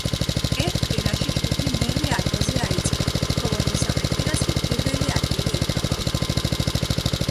ერთ კვირაში ჯგუფი მერვე ადგილზე აიწია, ხოლო მესამე კვირას კი პირველი ადგილი ეკავა.